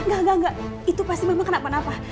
enggak enggak itu pasti memang kenapa napa